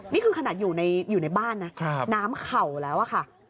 นี่คือขนาดอยู่ในบ้านนะน้ำเข่าแล้วอะค่ะ